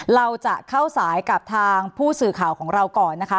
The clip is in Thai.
เราจะเข้าสายกับทางผู้สื่อข่าวของเราก่อนนะคะ